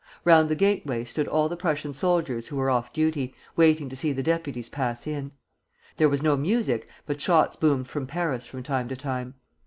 Round the gateway stood all the Prussian soldiers who were off duty, waiting to see the deputies pass in. There was no music, but shots boomed from Paris from time to time.